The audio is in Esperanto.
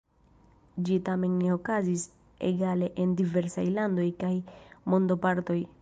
Ĝi tamen ne okazis egale en diversaj landoj kaj mondopartoj.